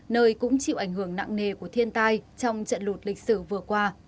nơi cũng chịu ảnh hưởng nặng nề của thiên tai trong trận lụt lịch sử vừa qua